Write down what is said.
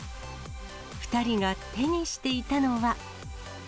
２人が手にしていたのは。